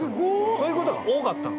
そういうことが多かったの。